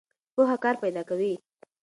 پوهه کار پیدا کوي.